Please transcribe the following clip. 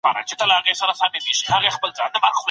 د وچې ډوډۍ د بحران په اړه اقدامات عاجل دي.